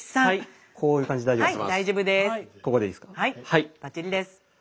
はいバッチリです。